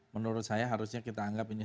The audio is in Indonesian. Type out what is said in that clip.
menurut saya harusnya kita anggap ini